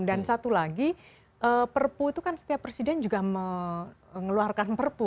dan satu lagi perpu itu kan setiap presiden juga mengeluarkan perpu